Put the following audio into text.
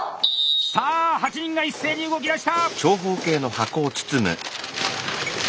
さあ８人が一斉に動きだした！